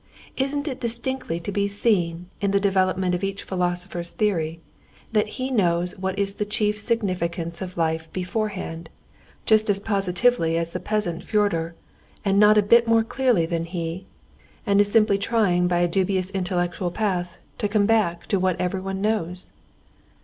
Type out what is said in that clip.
Isn't it distinctly to be seen in the development of each philosopher's theory, that he knows what is the chief significance of life beforehand, just as positively as the peasant Fyodor, and not a bit more clearly than he, and is simply trying by a dubious intellectual path to come back to what everyone knows?